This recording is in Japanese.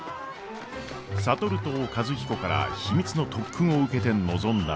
智と和彦から秘密の特訓を受けて臨んだ歌子。